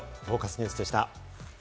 ニュースでした。